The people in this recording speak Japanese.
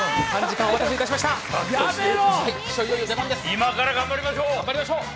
今から頑張りましょう！